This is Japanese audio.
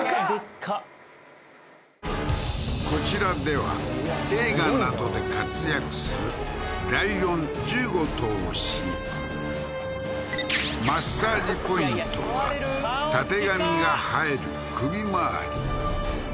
こちらでは映画などで活躍するライオン１５頭を飼育マッサージポイントはたてがみが生える首回り